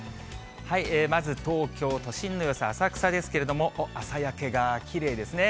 まず東京都心の様子、浅草ですけれども、朝焼けがきれいですね。